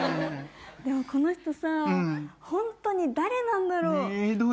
でもこの人さホントに誰なんだろう？え？